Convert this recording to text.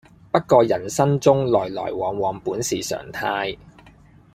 不過人生中來來往往本是常態